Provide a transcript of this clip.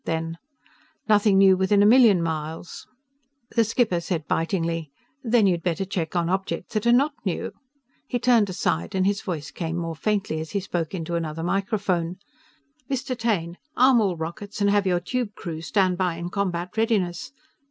Then: "Nothing new within a million miles ..." The skipper said bitingly: "Then you'd better check on objects that are not new!" He turned aside, and his voice came more faintly as he spoke into another microphone. "_Mr. Taine! Arm all rockets and have your tube crews stand by in combat readiness!